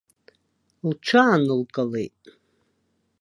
Лҽаанылкылеит.